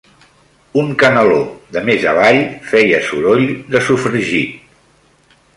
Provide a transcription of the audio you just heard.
Un canaló de més avall feia soroll de sofregit.